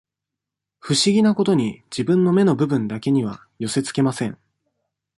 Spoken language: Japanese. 不思議なことに、自分の目の部分だけには寄せつけません。